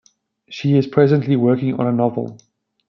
She is presently working on a novel.